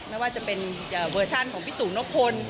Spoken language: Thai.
ไม่ว่าจะเป็นเวอร์ชันของพี่ตู่นกพล